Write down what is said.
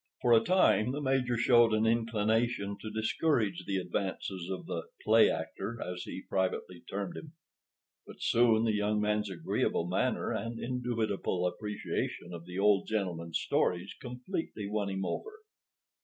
For a time the Major showed an inclination to discourage the advances of the "play actor," as he privately termed him; but soon the young man's agreeable manner and indubitable appreciation of the old gentleman's stories completely won him over.